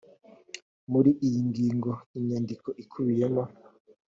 muri iyi ngingo inyandiko ikubiyemo